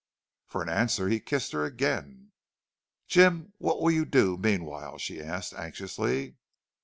For an answer he kissed her again. "Jim, what'll you do meanwhile?" she asked, anxiously.